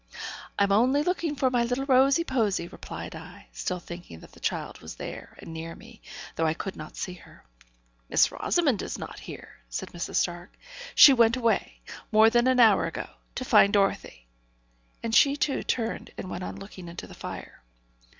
'I'm only looking for my little Rosy Posy,' replied I, still thinking that the child was there, and near me, though I could not see her. 'Miss Rosamond is not here,' said Mrs. Stark. 'She went away, more than an hour ago, to find Dorothy.' And she, too, turned and went on looking into the fire.